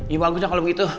ya bagusnya kalau begitu